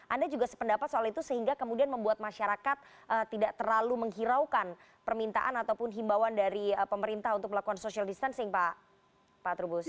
anda juga sependapat soal itu sehingga kemudian membuat masyarakat tidak terlalu menghiraukan permintaan ataupun himbauan dari pemerintah untuk melakukan social distancing pak trubus